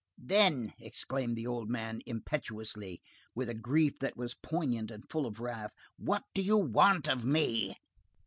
"Then," exclaimed the old man impetuously, with a grief that was poignant and full of wrath, "what do you want of me?"